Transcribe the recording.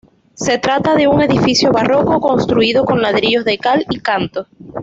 Se trata de un edificio barroco construido con ladrillos de cal y canto.